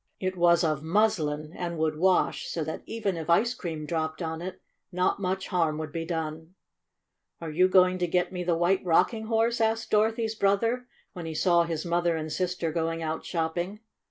It was of 108 STORY OF A SAWDUST DOLL muslin, and would wash, so that even if ice cream dropped on it not much harm would be done. "Are you going to get me the White Rocking Horse?'' asked Dorothy's broth er, when he saw his mother and sister go ing out shopping.